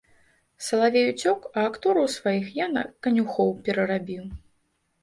Салавей уцёк, а актораў сваіх я на канюхоў перарабіў.